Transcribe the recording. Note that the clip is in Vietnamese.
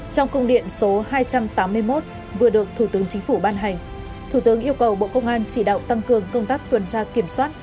trong công điện số hai trăm tám mươi một vừa được thủ tướng chính phủ ban hành thủ tướng yêu cầu bộ công an chỉ đạo tăng cường công tác tuần tra kiểm soát